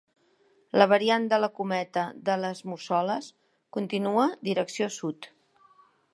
La variant de la Cometa de les Mussoles continua direcció sud.